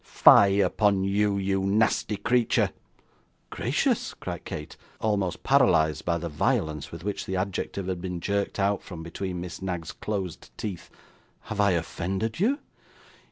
Fie upon you, you nasty creature!' 'Gracious!' cried Kate, almost paralysed by the violence with which the adjective had been jerked out from between Miss Knag's closed teeth; 'have I offended you?